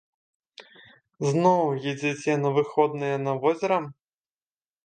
Зноў едзеце на выходныя на возера?